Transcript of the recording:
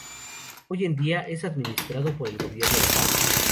Hoy en día, es administrado por el gobierno local.